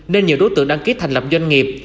nên nhiều đối tượng đăng ký thành lập doanh nghiệp